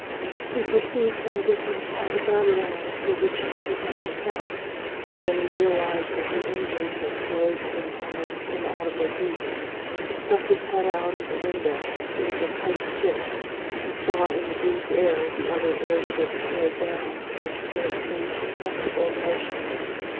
He perceived some difference on the Vaterland for which he could not account, and then he realised that the engines had slowed to an almost inaudible beat. He stuck his head out of the window it was a tight fit and saw in the bleak air the other airships slowed down to a scarcely perceptible motion.